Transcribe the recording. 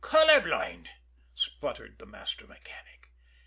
"Color blind!" spluttered the master mechanic.